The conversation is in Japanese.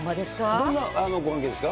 どんなご縁ですか？